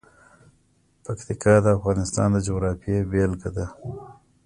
پکتیکا د افغانستان د جغرافیې بېلګه ده.